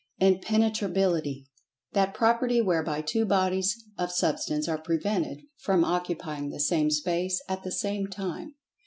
Impenetrability: That property whereby two bodies of Substance are prevented from occupying the same space at the same time.